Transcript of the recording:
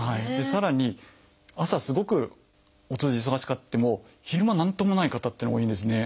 さらに朝すごくお通じ忙しくても昼間何ともない方っていうのが多いんですね。